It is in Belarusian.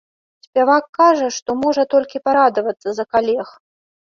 Спявак кажа, што можа толькі парадавацца за калег.